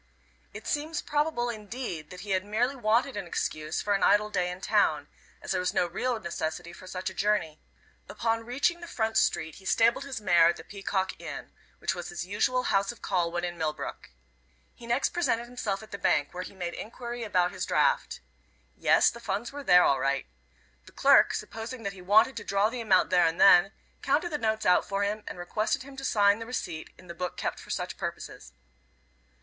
It seems probable indeed, that he had merely wanted an excuse for an idle day in town; as there was no real necessity for such a journey. Upon reaching the front street he stabled his mare at the Peacock Inn, which was his usual house of call when in Millbrook. He next presented himself at the bank, where he made enquiry about his draft. Yes, the funds were there all right. The clerk, supposing that he wanted to draw the amount there and then, counted the notes out for him, and requested him to sign the receipt in the book kept for such purposes.